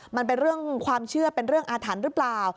มันเป็นเรื่องความเชื่อเป็นเรื่องอาถรรพ์หรือเปล่า